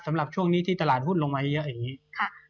สำหรับช่วงนี้ที่ตลาดหุ้นลงมาเยอะ